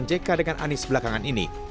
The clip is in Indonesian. jk dengan anies belakangan ini